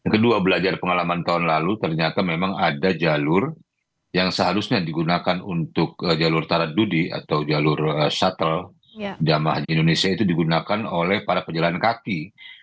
kedua belajar pengalaman tahun lalu ternyata memang ada jalur yang seharusnya digunakan untuk jalur taradudi atau jalur shuttle jamaah haji indonesia itu digunakan oleh para pejalan kaki